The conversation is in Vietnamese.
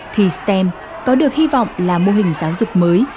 thì stem có được hy vọng là mô hình giáo dục mới